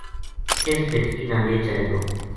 اس بیٹکی نا لے چلے گو